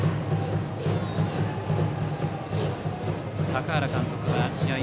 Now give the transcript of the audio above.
坂原監督は試合